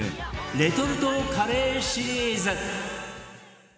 レトルトカレーシリーズ